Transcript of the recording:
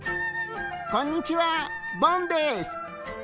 こんにちはボンです！